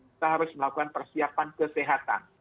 kita harus melakukan persiapan kesehatan